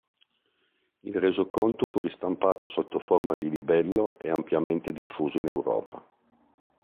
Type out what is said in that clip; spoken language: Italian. Il resoconto fu ristampato sotto forma di libello e ampiamente diffuso in Europa.